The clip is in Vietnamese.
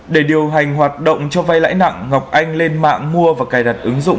để điều hành hoạt động cho vay lãi nặng ngọc anh lên mạng mua và cài đặt ứng dụng